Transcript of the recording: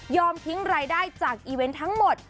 ทิ้งรายได้จากอีเวนต์ทั้งหมด